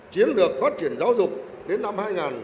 chiến lược phát triển giáo dục đến năm hai nghìn ba mươi